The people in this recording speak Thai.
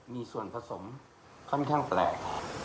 มีส่วนผสมค่อนข้างแปลก